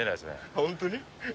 本当に？